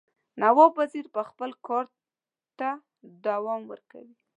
نواب وزیر به خپل کارته دوام ورکوي.